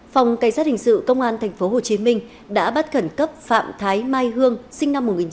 phòng cảnh sát hình sự công an tp hcm đã bắt khẩn cấp phạm thái mai hương sinh năm một nghìn chín trăm tám mươi